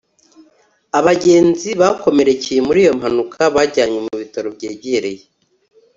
Abagenzi bakomerekeye muri iyo mpanuka bajyanywe mu bitaro byegereye